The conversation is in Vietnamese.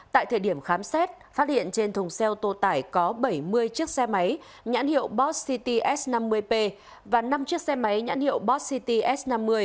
tại thời điểm khám xét phát hiện trên thùng xe ô tô tải có bảy mươi chiếc xe máy nhãn hiệu boss city s năm mươi p và năm chiếc xe máy nhãn hiệu boss city s năm mươi